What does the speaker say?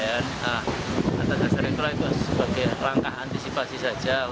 atas hasilnya itu sebagai langkah antisipasi saja